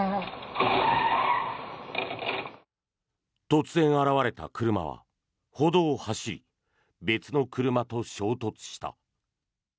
突然現れた車は歩道を走り別の車と衝突した。